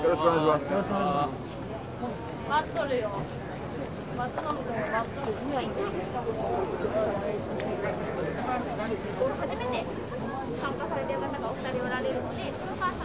初めて参加されてる方がお二人おられるので。